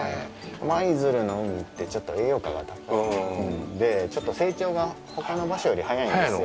舞鶴の海ってちょっと栄養価が高いので、成長がほかの場所より早いんですよ。